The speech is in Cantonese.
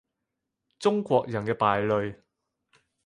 中國人嘅敗類